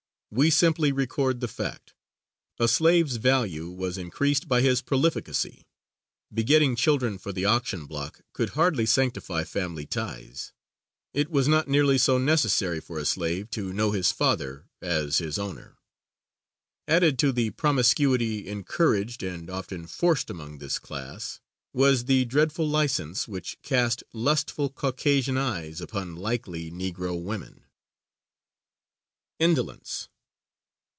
We simply record the fact. A slave's value was increased by his prolificacy. Begetting children for the auction block could hardly sanctify family ties. It was not nearly so necessary for a slave to know his father as his owner. Added to the promiscuity encouraged and often forced among this class, was the dreadful license which cast lustful Caucasian eyes upon "likely" Negro women. _Indolence.